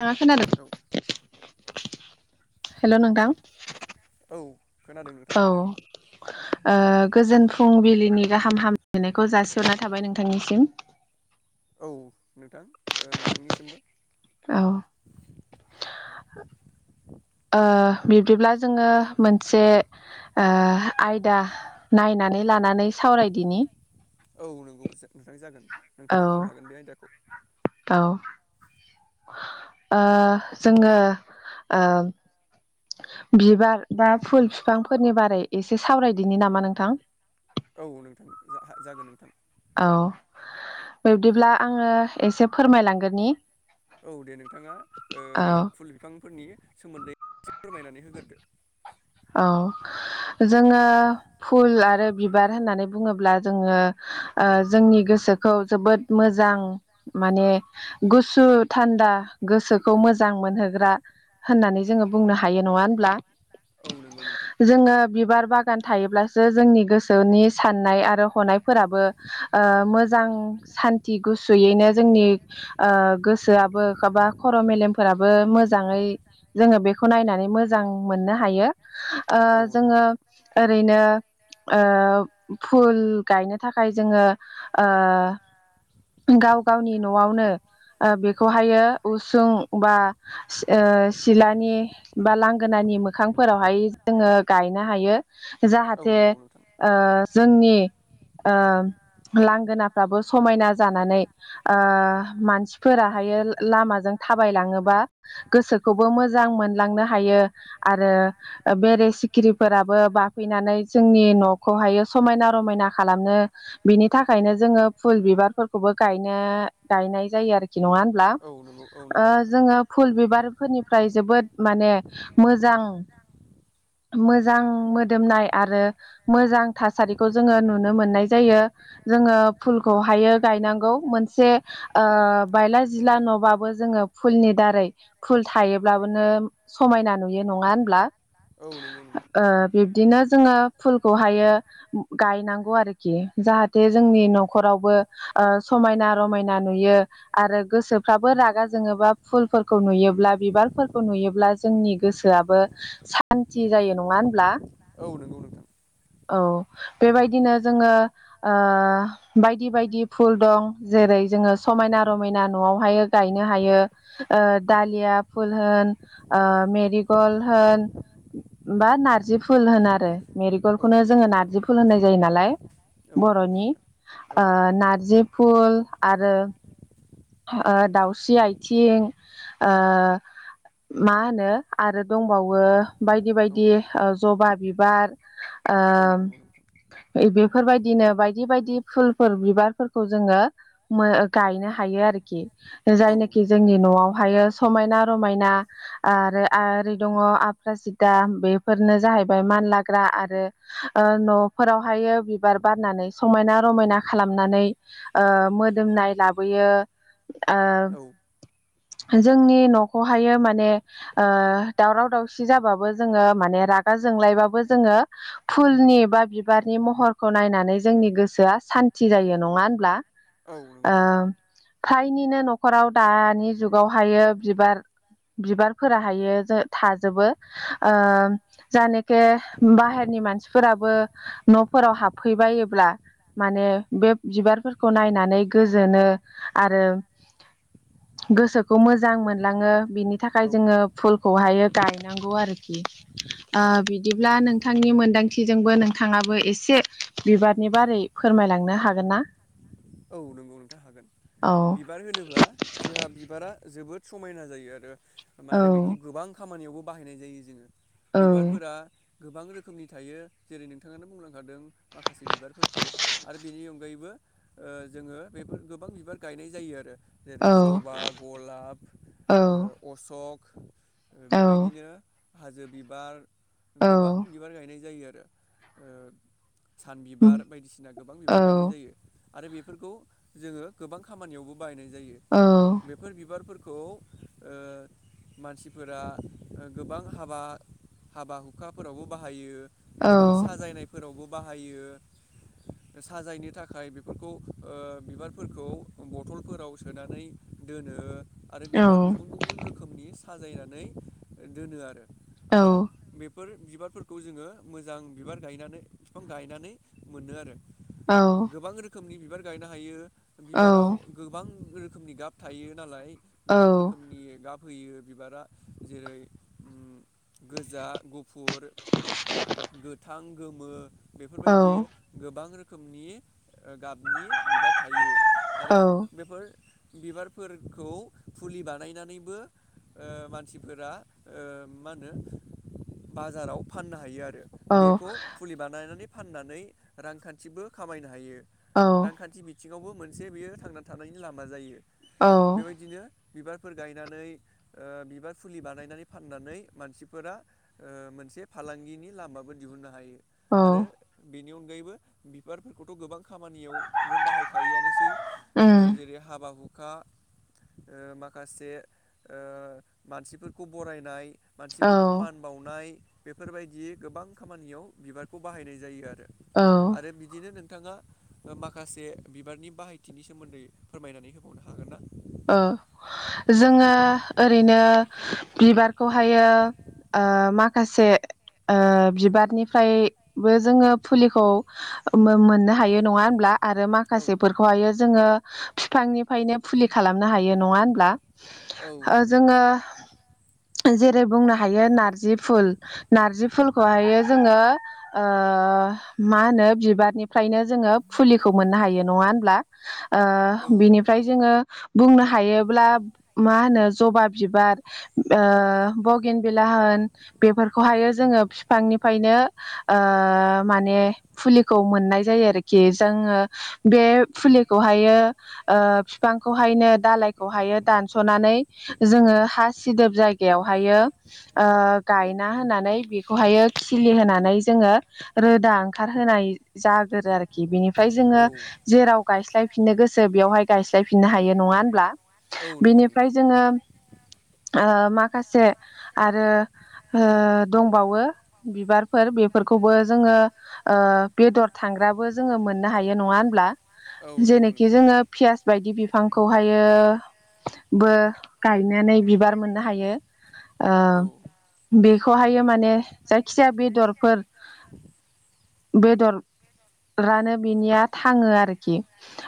नोंथाङा औ खोनादों हेलौ नोंथां। औ खोनादों नोंथां। औ ओ गोजोन फुंबिलिनि गाहाम हामलायनायखौ जासिहरनाय थाबाय नोंथांनिसिम। [inaudible] औ नोंथां ओ नोंथांनिसिमबो। औ। ओ बिब्दिब्ला जोङो मोनसे ओ आयदा नायनानै लानानै सावरायदिनि। औ नंगौ जो नोंथां जागोन औ नोंथाङा बुंनो हागोन बे आयदाखौ। औ ओ जोङो ओ बिबार बा फुल बिफांफोरनि बारै एसे सावरायदिनि नामा नोंथां? औ नोंथां हा जागोन नोंथां। औ बिब्दिब्ला आङो एसे फोरमायलांगोननि। औ दे नोंथाङा ओ फुल बिफांफोरनि सोमोनदै एसे फोरमायनानै होग्रोरदो। औ। जोङो फुल आरो बिबार होननानै बुङोब्ला जोङो ओ जोंनि गोस गोसोखौ जोबोद मोजां माने गुसु थान्दा गोसोखौ मोज मोजां मोनहोग्रा होननानै जोङो बुंनो हायो नङा होनब्ला? औ नंगौ नोंथां जोङो बिबार बागान थायोब्लासो जोंनि गोसोनि साननाय आरो हनायफोराबो ओ मोजां सान्थि गुसुयैनो जोंनि ओ गोसोआबो एबा खर' मेलेमफोराबो मोजाङै जोङो बेखौ नायनानै मोजां मोननो हायो ओ औ नंगौ जोङो नोंथां ओरैनो ओ फुल गायनो थाखाय जोङो ओ गाव गावनि न'आवनो ओ बेखौहायो उसुं बा ओ सिलानि बा लांगोनानि नि मोखांफोरावहाय जोङो गायनो हायो औ जाहाथे नंगौ नोंथां ओ जोंनि ओ लांगोना फ्राबो समायना जानानै ओ मानसिफोराहायो लामाजों थाबायलाङोबा गोसोखौबो मोजां मोनलांनो हायो आरो बेरे सिखिरिफोराबो बाफैनानै जोंनि न'खौहायो समायना रमायना खालामनो बिनि थाखायनो जोङो फुल बिबारफोरखौबो गायनो गायनाय जायो आरो खि नङा होनब्ला औ नंगौ औ ओ नंगौ नोंथां जोङो फुल बिबारफोरनिफ्राय जोबोद माने मोजां मोजां मोदोमनाय आरो मोजां थासारिखौ जोङो नुनो मोननाय जायो जोङो फुलखौहायो गायनांगौ मोनसे ओ बायला जिला न'बाबो जोङो फुलनि दारै फुल थायोब्लाबोनो समायना नुयो नङा होनब्ला ओ औ नंगौ नोंथां बिब्दिनो जोङो फुलखौहायो गायनांगौ आरोखि जाहाथे जोंनि न'खरावबो ओ समायना रमायना नुयो आरो गोसोफ्राबो रागा जोङोबा फुलफोरखौ नुयोब्ला बिबारफोरखौ नुयोब्ला जोंनि गोसोआबो सान्थि जायो नङा होनब्ला औ नंगौ नोंथां औ बेबायदिनो जोङो ओ बायदि बायदि फुल दं जेरै जेरै जोङो समायना रमायना न'आवहाय गायनो हायो ओ दालिया फुल होन ओ मेरिगल्ड होन बा नारजि फुल होन आरो औ मेरिगलडखौनो नंगौ जोङो नोंथां नारजि फुल होननाय जायो नालाय औ नंगौ बर'नि नोंथां औ ओ नारजि फुल आरो दाउस्रि आथिं ओ मा होनो आरो दंबावो बायदि औ बायदि ओ जबा बिबार ओ औ नंगौ नोंथां औ नंगौ एदि बेफोरबायदिनो बायदि बायदि फुलफोर बिबारफोरखौ जोङो गायनो हायो आरोखि औ नंगौ नोंथां जायनाखि जोंनि न'आवहायो समायना रमायना आरो आरो दं आफ्रासिदा बेफोरनो जाहैबाय मानलाग्रा आरो ओ न'फोरावहाय बिबार बारनानै समायना रमायना खालामनानै ओ मोदोमनाय लाबोयो ओ औ जोंनि न'खौहायो माने ओ दावराव दावसि जाबाबो जोङो माने रागा जोंलायबाबो जोङो फुलनि बा बिबारनि महरखौ नायनानै जोंनि गोसोआ सान्ति जायो नङा होनब्ला औ ओ फ्रायनिनो न'खराव दानि जुगावहायो बिबार बिबारफोरा हायो थाजोबो ओ जानाखे बाहेरनि मानसिफोराबो न' फोराव हाबफैबायोब्ला माने बे बिबारफोरखौ नायनानै गोजोनो आरो गोसोखौ मोजां मोनलाङो बिनि थाखाय जोङो फुलखौहायो गायनांगौ आरोखि बिदिब्ला नोंथांनि मोन दांथिजोंबो नोंथाङाबो एसे बिबारनि बारै फोरमायलांनो हागोन ना? औ नंगौ नोंथां हागोन औ बिबार होनोब्ला जोंहा बिबारा जोबोद समायना जायो आरो औ आरो बेखौ गोबां खामानियावबो बाहायनाय जायो जोङो औ बिबारफोरा गोबां रोखोमनि थायो जेरै नोंथाङानो बुंलांखादों माखासे बिबारफोरखौ आरो बेनि अनगायैबो ओ जोङो बेफोर गोबां बिबार गायनाय जायो आरो। औ जेरै जबा गलाब औ ओ अशक ओ औ बेबायदिनो हाजो बिबार गोबां बिबार गायनाय जायो आरो ओ सान बिबार बायदिसिना गोबां औ बिबार गायनाय जायो आरो बेफोरखौ जोङो गोबां खामानियावबो बाहायनाय जायो बेफोर बिबारफोर खौ ओ मानसिफोरा गोबां हाबा हाबा हुखाफोरावबो बाहायो। औ गोबां साजायनायफोरावबो बाहायो साजायनो थाखाय बे फोरखौ ओ बिबारफोरखौ बथलफोराव सोनानै दोनो आरो औ गोबां गुबुन गुबुन रोखोमनि साजायनानै दोनो आरो। आरो बे फोर बिबारफोरखौ जोङो मोजां बिबार गायनानै बिफां गायनानै मोनो आरो औ गोबां रोखोमनि बिबार गायनो हायो बिबाराव गोबां रोखोमनि गाब थायो नालाय गोबां रोखोमनि गाब फैयो बिबारा जेरै ओ गोजा गुफुर गोथां गोमो औ बेफोरबायदि गोबां रो खोमनि गाबनि बिबार थायो औ आरो बेफोर बिबारफोरखौ फुलि बानायनानैबो ओ मानसिफोरा ओ मा होनो बाजाराव फाननो हायो आरो। बेखौ औ फुलि बानायनानै फाननानै रांखान्थिबो खामायनो हायो। रांखान्थि बिथिङावबो मोनसे बेयो थांना थानायनि लामा जायो बेबायदिनो बिबारफोर गायनानै ओ बिबार फुलि बानायनानै फाननानै मानसिफोरा ओ मोनसे फालांगिनि लामाबो दिहुननो हायो। आरो बेनि अनगायैबो बिबारफोरखौथ' गोबां खामानियावनो बाहायखायोआनोसै जेरै हाबा हु खा ओ माखासे ओ मानसिफोरखौ बरायनाय उम औ मानसिफोरखौ मान बावनाय बेफोरबायदि गोबां खामानियाव बिबारखौ बाहायनाय जायो आरो। औ आरो बिदिनो नोंथाङा माखासे बिबारनि बाहायथिनि सोमोन्दै फोरमायनानै होबावनो हागोन ना? औ जोङो ओरैनो बिबारखौहायो ओ माखासे ओ बिबारनिफ्रायबो जोङो फुलिखौ मोननो हायो नङा होनब्ला? आरो औ माखासेफोरखौहायो जोङो बिफांनिफ्रायनो फुलि खालामनो हायो नङा होनब्ला? ओ नंगौ जोङो नोंथां जेरै बुंनो हायो नारजि फुल नारजि फुलखौहायो जोङो ओ मा होनो बिबारनिफ्रायनो जोङो फुलिखौ मोननो हायो नङा होनब्ला? औ ओ नंगौ बिनिफ्राय नोंथां जोङो बुंनो हायोब्ला मा होनो जबा बिबार ओ बगेनबिला होन बेफोरखौहाय जोङो बिफांनिफ्रायनो ओ माने फुलि खौ मोननाय जायो आरोखि जोङो बे फुलिखौहायो ओ फिफां खौहायनो दालायखौहायो दानस'नानै जोङो हा सिदोब जायगायावहायो ओ गायना होनानै बेखौहायो खिलि होनानै जोङो रोदा ओंखारहोनाय जागोरो आरोखि बिनि फ्राय औ जोङो जेराव गायस्लायफिननो गोसो बेवहाय गायस्लायफिननो हायो नङा होनब्ला? औ नंगौ बिनिफ्राय नोंथां जोङो ओ माखासे आरो ओ दंबावो बिबारफोर बेफोरखौबो जोङो ओ बेदर थां ग्राबो जोङो मोननो हायो नङा होनब्ला? औ नंगौ जेनेखि नोंथां जोङो फियाज बिदि बिफांखौहायो बो गायनानै बिबार मोननो हायो ओ औ बेखौहाय माने जायखिजाया बेदरफोर बेदरानो बिनिया थाङो आरोखि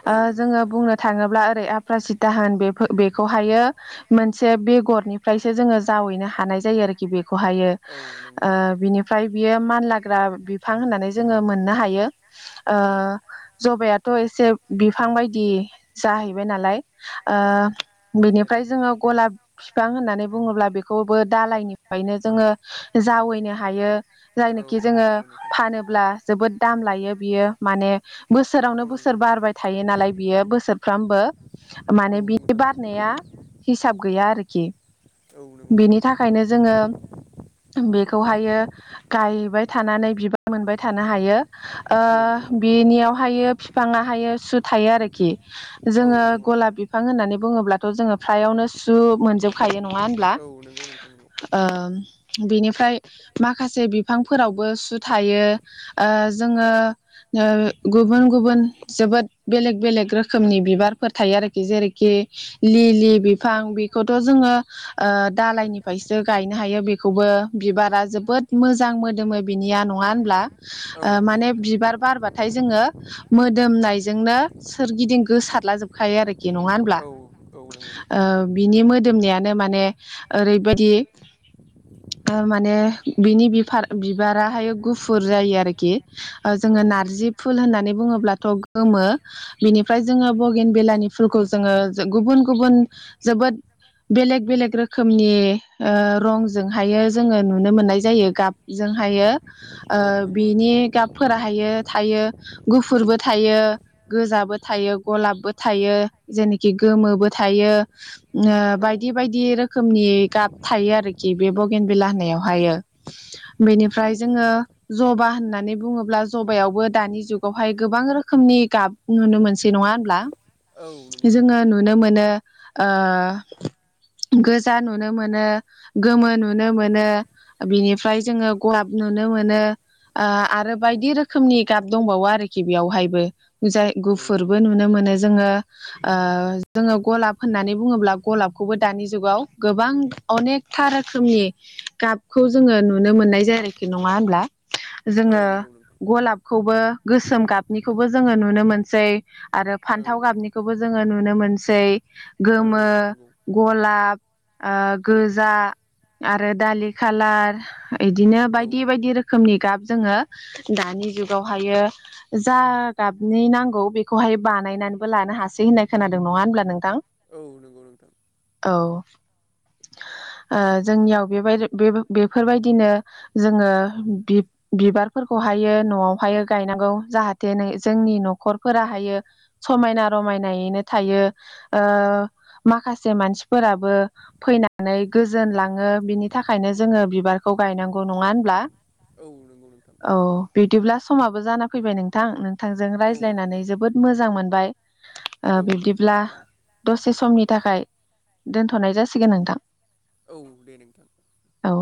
औ ओ नंगौ जोङो नोंथां। बुंनो थाङोब्ला ओरै आफ्रासिता होन बेफोर बेखौहायो जोङो मोनसे बेगरनिफ्रायसो जोङो जाव वायनो हानाय जायो आरो बेखौ हायो औ नंगौ नोंथां ओ फ्राय बियो मानलाग्रा बिफां होननानै जोङो मोननो हायो ओ औ जबायाथ' थ' एसे बिफां बायदि जाहैबाय नालाय औ ओ जायरा बेनिफ्राय बिफां जोङो गलाब बिफां होननानै बुङोब्ला बेखौबो दालायनिफ्रायनो जोङो जावैनो हायो औ जायनोखि जोङो नंगौ नोंथां फानोब्ला जोबोद दाम लायो बियो माने औ बोसोरावनो बोसोर बारबाय थायो नालाय बियो बियो बोसोरफ्रामबो औ माने नंगौ बिनि नोंथां बारनाया हिसाब गैया आरोखि औ नोंगौ नोंथां ओंखायनो जोङो बेखौहायो गायबाय थानानै बिबार मोनबाय थानो हायो ओ औ नंगौ बिनियावहायो बिफाङाहायो सु थायो आरोखि औ जोङो नंगौ नोंथां गलाब बिफां होननानै बुङोब्लाथ' जोङो फ्रायावनो सु मोनजोबखायो नङा होनब्ला औ नंगौ नोंथां नंगौ। ओम बिनिफ्राय माखासे बिफांफोरावबो सु थायो ओ जोङो नो गुबुन गुबुन जोबोद बेलेग- बेलेग रोखोमनि बिबारफोर थायो आरोखि जेरैखि लिलि बिफां बेखौथ' जोङो ओ दालायनिफ्रायसो गायनो हायो बेखौबो बिबारा जोबोद मोजां मोदोमो बिनि आन' नङा होनब्ला औ ओ नंगौ माने बिबार बारबाथाय जोङो नोंथां। मोदोमनायजों नो सोरगिदिं गोसारला जोबखायो आरोखि नङा औ होनब्ला नंगौ नोंथां बिनि मोदोमनायानो माने ओरैबायदि माने बिनि बिफार बिबाराहाय गुफुर जायो आरोखि ओ औ जोङो नारजि फुल होननानै नानै बुङोब्लाथ गोमो बेनिफ्राय जोङो बगेन बेलानि फुलखौ जोङो गुबुन गुबुन जोबोद बेलेग- बेलग रोखोम रोखोमनि ओ रंजोंहायो जोङो नुनो मोननाय जायो गाबजोंहायो ओ औ नंगौ नोंथां बिनि गाबफोरा थायो थायो गुफुरबो थायो गोजाबो थायो गलाबबो थायो जेनिखि गोमोबो थायो ओ औ बायदि बायदि रोखोम रोखोमनि गाब थायो आरोखि बे बगेन बिला होनावहायो औ बेनिफ्राय नंगौ जोङो नोंथां जबा होननाय होननानै बुङोब्ला जबायावबो दानि जुगावहाय गोबां रोखोमनि गाब नुनो मोनसै नङा होनब्ला औ नंगौ नोंथां जोङो नुनो मोनो ओ गोजा नुनो मोनो गोमो नुनो मोनो बिनिफ्राय जोङो गहाब नुनो मोनो ओ आरो औ बायदि रोखोमनि गाब दंबावो आरोखि बेयावहायबो जाय गुफुरबो नुनो मोनो जोङो ओ जोङो गलाब होननानै बुङोब्ला गलाबखौबो दानि जुग जुगाव गोबां अनेकथा रोखोमनि गाबखौ जोङो नुनो मोननाय जाय आरोखि नङा होमब्ला औ नंगौ नोंथां औ जोङो नंगौ गलाबखौ खौ गोसोम गाबनिखौबो जोङो नुनो मोनसै आरो नोंथां औ फान्थाव गाबनिखौबो जोङो नुनो मोन बसै औ गोमो नंगौ गला ब औ गोजा आरो दालि खालार इदिनो औ बायदि बायदि रोखोम रोखोमनि गाब जोङो दानि जुगावहायो जा गाबनि नांगौ बेखौहाय बानायनानैबो लानो हासै होननाय खोनादों नङा होनब्ला नोंथां औ नंगौ नोंथां औ ओ जोंनियाव बेबाय-बेफोरबायदिनो जोङो बि बिबारफोर- खौहायो न'आवहायो गायनांगौ जाहाथे नै जोंनि न'खरफोरा हायो समायना रमायना- यैनो थायो। ओ माखा- से मानसिफोराबो फैनानै गोजोन लाङो बिनि थाखायनो औ जोङो बिबारखौ गायनांगौ नङा होनब्ला? औ नोंगौ नोंथां। औ बिदिब्ला समाबो जाना फैबाय नोंथां नोंथांजों औ रायज्लायनानै जोबोद मोजां मोनबाय। ओ औ दे बिब्दिब्ला नोंथां दसे समनि थाखाय दोनथ'नाय जासिगोन नोंथां। औ दे नोंथां। औ